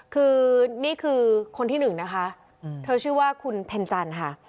คือนี่คือคนที่หนึ่งนะคะเธอชื่อว่าคุณเพ็ญจันทร์ค่ะ